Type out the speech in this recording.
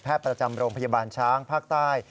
ประจำโรงพยาบาลช้างภาคใต้